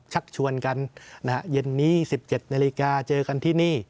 ชักชวนกันเย็นนี้๑๗นาฬิกาเจอกันที่นี่